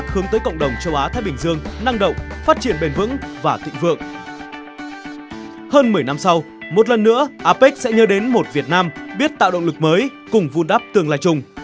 hơn một mươi năm sau một lần nữa apec sẽ nhớ đến một việt nam biết tạo động lực mới cùng vun đắp tương lai chung